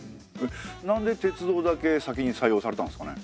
なんで鉄道だけ先に採用されたんですかね？